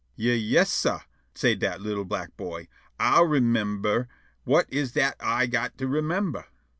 "Ya yas, sah," say' dat li'l' black boy; "Ah'll remimber. Whut is dat Ah got to remimber?"